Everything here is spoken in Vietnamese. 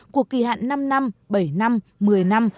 của kỳ hạn năm năm bảy năm một mươi năm và một mươi năm năm